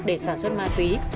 để sản xuất ma túy